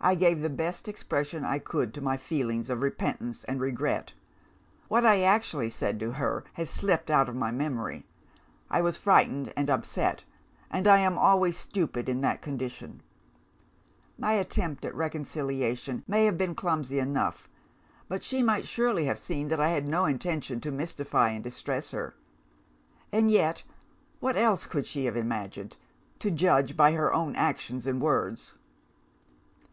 "I gave the best expression I could to my feelings of repentance and regret. What I actually said to her, has slipped out of my memory; I was frightened and upset and I am always stupid in that condition. My attempt at reconciliation may have been clumsy enough; but she might surely have seen that I had no intention to mystify and distress her. And yet, what else could she have imagined? to judge by her own actions and words.